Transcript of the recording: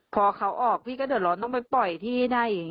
พอเขาออกพี่ก็เดือดร้อนต้องไปปล่อยที่ไหน